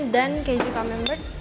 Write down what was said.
dan keju camembert